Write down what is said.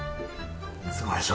すごいでしょ。